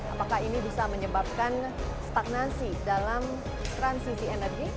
apakah ini bisa menyebabkan stagnansi dalam transisi energi